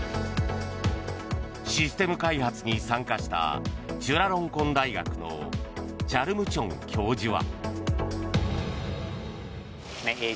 システム開発に参加したチュラロンコン大学のチャルムチョン教授は。